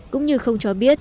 cũng như không cho biết